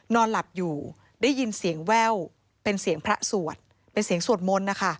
นอนหลับอยู่ได้ยินเสียงแว่วเป็นเสียงพระสวดเป็นเสียงสวดมนต์นะคะ